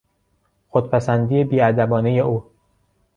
خودپسندی بیادبانهی او